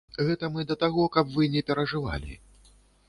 Гэта мы да таго, каб вы не перажывалі.